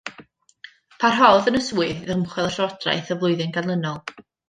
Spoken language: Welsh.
Parhaodd yn y swydd hyd ddymchwel y llywodraeth y flwyddyn ganlynol.